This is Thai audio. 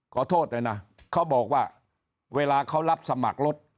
ขอโทษเลยนะเขาบอกว่าเวลาเขารับสมัครรถ